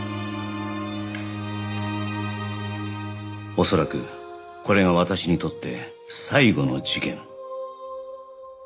おそらくこれが私にとって最後の事件